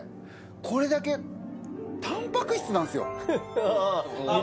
これだけタンパク質なんすよああ